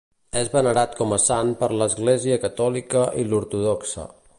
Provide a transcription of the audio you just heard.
És venerat com a sant per l'Església Catòlica i l'ortodoxa.